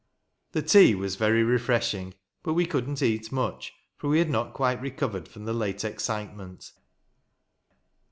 The tea was very refreshing; but we couldn't eat much, for we had not quite recovered from the late excitement.